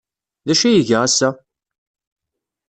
D acu ay iga ass-a?